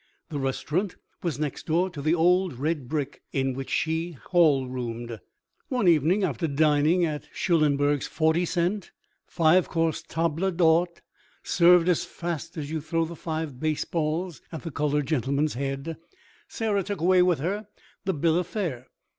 The restaurant was next door to the old red brick in which she hall roomed. One evening after dining at Schulenberg's 40 cent, five course table d'hôte (served as fast as you throw the five baseballs at the coloured gentleman's head) Sarah took away with her the bill of fare.